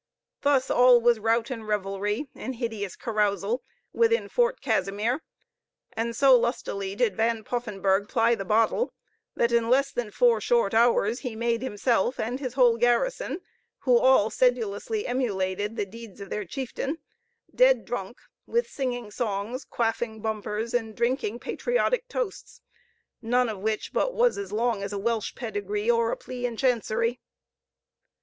Thus all was rout and revelry and hideous carousal within Fort Casimir, and so lustily did Van Poffenburgh ply the bottle, that in less than four short hours he made himself and his whole garrison, who all sedulously emulated the deeds of their chieftain, dead drunk, with singing songs, quaffing bumpers, and drinking patriotic toasts, none of which but was as long as a Welsh pedigree or a plea in Chancery.